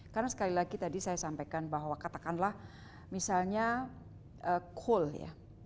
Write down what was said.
karena sekali lagi tadi saya sampaikan bahwa katakanlah misalnya coal ya